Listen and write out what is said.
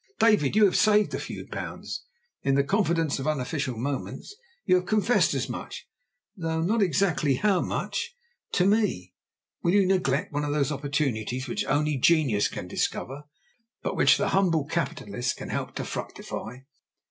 David, you have saved a few pounds; in the confidence of unofficial moments you have confessed as much (though not exactly how much) to me. Will you neglect one of those opportunities which only genius can discover, but which the humble capitalist can help to fructify?